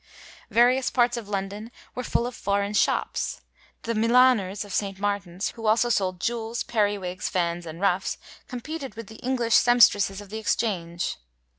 ^ Various parts of London were full of foreign shops ; the Milaners of St. Martin's, who also sold jewels, peri wigs, fans and ruffs, competed with the English semp stresses of the Exchange.